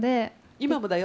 今もだよ。